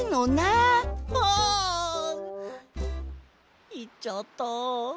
あ！いっちゃった。